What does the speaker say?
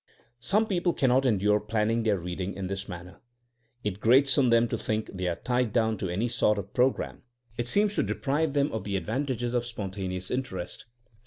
Some people cannot endure planning their reading in this manner. It grates on them to think they are tied down to any sort of pro gram; it seems to deprive them of the advan tages of spontaneous interest.